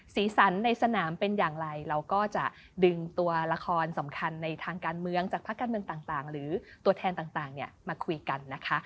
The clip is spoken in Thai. สีสันในสนามเป็นอย่างไรเราก็จะดึงตัวละครสำคัญในทางการเมืองจากภาคการเมืองต่างหรือตัวแทนต่างมาคุยกันนะคะ